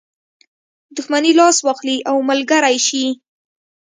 دښمني لاس واخلي او ملګری شي.